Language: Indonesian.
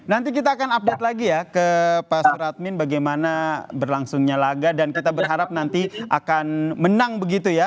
nanti kita akan update lagi ya ke pak suradmin bagaimana berlangsungnya laga dan kita berharap nanti akan menang begitu ya